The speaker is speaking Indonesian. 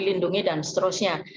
lindungi dan seterusnya